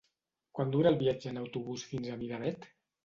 Quant dura el viatge en autobús fins a Miravet?